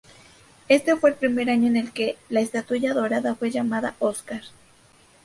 Este fue el primer año en el que la estatuilla dorada fue llamada "Oscar".